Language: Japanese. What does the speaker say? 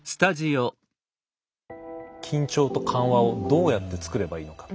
緊張と緩和をどうやって作ればいいのか。